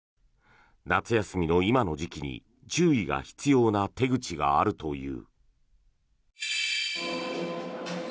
夏休みの今の時期に注意が必要な手口があるという。